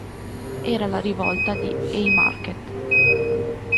Era la rivolta di Haymarket.